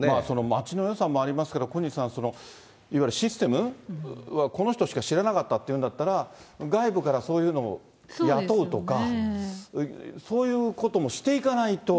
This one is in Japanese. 町の予算もありますけれども、小西さん、いわゆるシステムは、この人しか知らなかったっていうなら、外部からそういうのを雇うとか、そういうこともしていかないと。